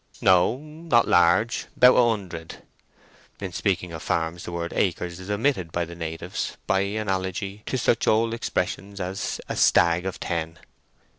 "No; not large. About a hundred." (In speaking of farms the word "acres" is omitted by the natives, by analogy to such old expressions as "a stag of ten.")